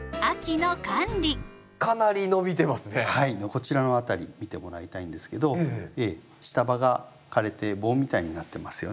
こちらの辺り見てもらいたいんですけど下葉が枯れて棒みたいになってますよね。